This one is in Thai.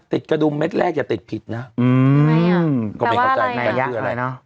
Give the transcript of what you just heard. ติดกระดุมเม็ดแรกอย่าติดผิดนะอืมไงอ่ะก็ไม่เข้าใจไหนยักษ์อะไรเนอะ